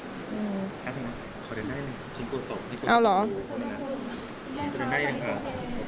ครับขอเดินได้หนึ่งชิงกูตกให้กูดู